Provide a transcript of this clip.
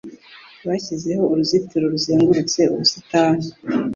Bashyizeho uruzitiro ruzengurutse ubusitani.